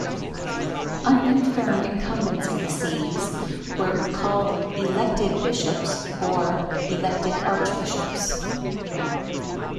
Unconfirmed incumbents of the sees were called "Elected Bishops" or "Elected Archbishops".